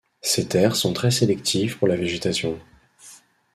Ces terres sont très sélectives pour la végétation.